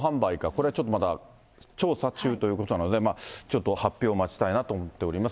これはちょっとまだ調査中ということなので、ちょっと発表を待ちたいなと思っております。